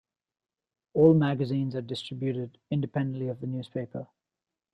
All magazines are distributed independently of the newspaper.